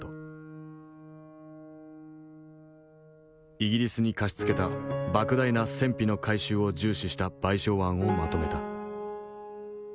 イギリスに貸し付けたばく大な戦費の回収を重視した賠償案をまとめた。